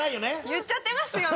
言っちゃってますよね！